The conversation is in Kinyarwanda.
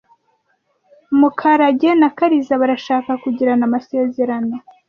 Mukarage na Kariza barashaka kugirana amasezerano.